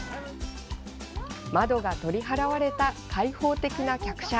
窓が取り払われた開放的な客車。